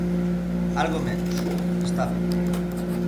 Algo menos, está ben.